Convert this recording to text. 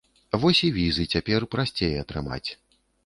Вось і візы цяпер прасцей атрымаць.